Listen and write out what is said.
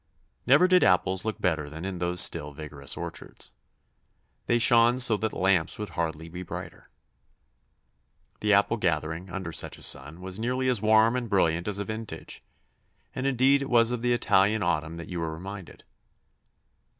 Never did apples look better than in those still vigorous orchards. They shone so that lamps would hardly be brighter. The apple gathering, under such a sun, was nearly as warm and brilliant as a vintage; and indeed it was of the Italian autumn that you were reminded.